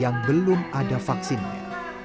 yang belum ada vaksinnya